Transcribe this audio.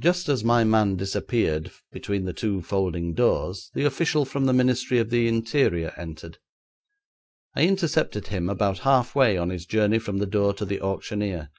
Just as my man disappeared between the two folding doors the official from the Ministry of the Interior entered. I intercepted him about half way on his journey from the door to the auctioneer.